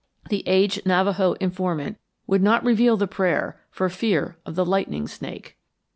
The aged Navajo informant would not reveal the prayer for fear of the 'Lightning Snake.'"